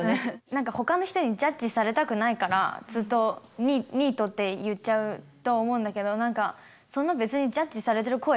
何かほかの人にジャッジされたくないからずっとニートって言っちゃうと思うんだけど何かそんなの別にジャッジされてる声